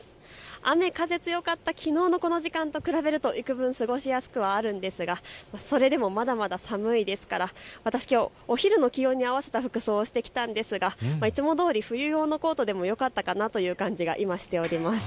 雨風強かったきのうのこの時間と比べるといくぶん過ごしやすくはあるんですが、それでもまだまだ寒いですから私、きょうお昼の気温に合わせた服装をしてきましたが、いつもどおり冬用のコートでもよかったなという感じがしています。